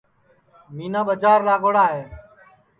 مینا ٻجار لاڳوڑا ہے